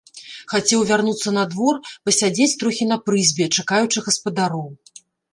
Хацеў вярнуцца на двор, пасядзець трохі на прызбе, чакаючы гаспадароў.